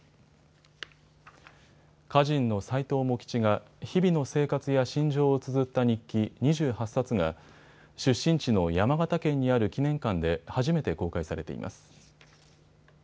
歌人の斎藤茂吉が日々の生活や心情をつづった日記２８冊が出身地の山形県にある記念館で初めて公開されています。